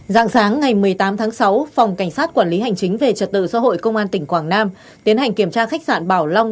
dạng sáng ngày một mươi tám tháng sáu phòng cảnh sát quản lý hành chính về trật tự xã hội công an tỉnh quảng nam tiến hành kiểm tra khách sạn bảo long